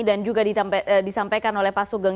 juga disampaikan oleh pak sugeng